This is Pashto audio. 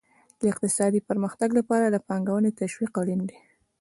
د اقتصادي پرمختګ لپاره د پانګونې تشویق اړین دی.